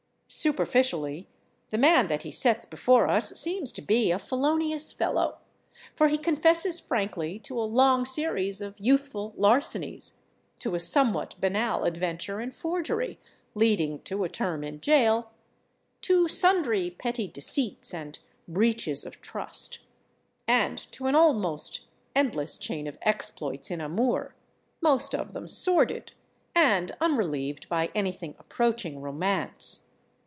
Superficially, the man that he sets before us seems to be a felonious fellow, for he confesses frankly to a long series of youthful larcenies, to a somewhat banal adventure in forgery (leading to a term in jail), to sundry petty deceits and breaches of trust, and to an almost endless chain of exploits in amour, most of them sordid and unrelieved by anything approaching romance.